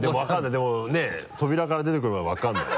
でもねぇ扉から出てくるまで分からないよ。